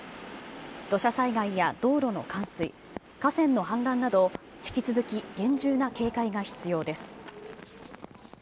土砂災害や道路の冠水、河川の氾濫など、引き続き厳重な警戒が必要です。